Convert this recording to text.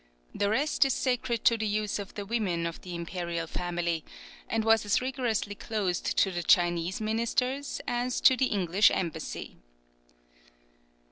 The rest is sacred to the use of the women of the imperial family, and was as rigorously closed to the Chinese ministers as to the English embassy.